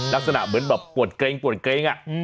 ลักษณะเหมือนแบบปวดเกร็งอะ